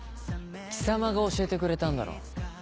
貴様が教えてくれたんだろう。